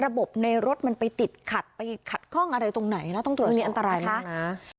ในรถมันไปติดขัดไปขัดข้องอะไรตรงไหนนะต้องตรวจตรงนี้อันตรายมากนะ